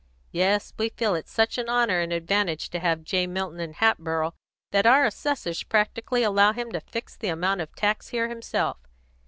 Yes, we feel it such an honour and advantage to have J. Milton in Hatboro' that our assessors practically allow him to fix the amount of tax here himself.